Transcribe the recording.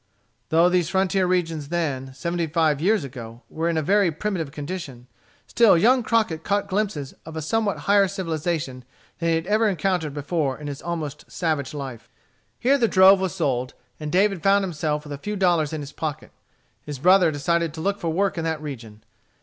Though these frontier regions then, seventy five years ago, were in a very primitive condition, still young Crockett caught glimpses of a somewhat higher civilization than he had ever encountered before in his almost savage life. Here the drove was sold, and David found himself with a few dollars in his pocket. His brother decided to look for work in that region.